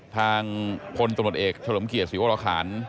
ทางพลตำรวจเอกเฉลิมเกียรติศรีวรคาร